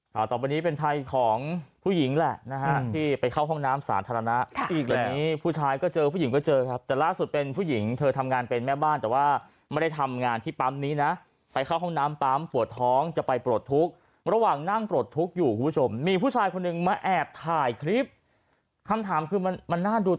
ต่อไปนี้เป็นภัยของผู้หญิงแหละนะฮะที่ไปเข้าห้องน้ำสาธารณะอีกแบบนี้ผู้ชายก็เจอผู้หญิงก็เจอครับแต่ล่าสุดเป็นผู้หญิงเธอทำงานเป็นแม่บ้านแต่ว่าไม่ได้ทำงานที่ปั๊มนี้นะไปเข้าห้องน้ำปั๊มปวดท้องจะไปปลดทุกข์ระหว่างนั่งปลดทุกข์อยู่คุณผู้ชมมีผู้ชายคนหนึ่งมาแอบถ่ายคลิปคำถามคือมันมันน่าดู